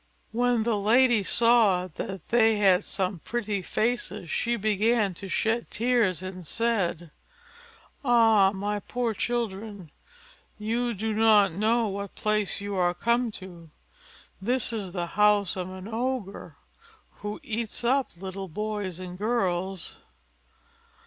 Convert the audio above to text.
When the lady saw that they had such pretty faces, she began to shed tears and said, "Ah! my poor children, you do not know what place you are come to. This is the house of an Ogre, who eats up little boys and girls."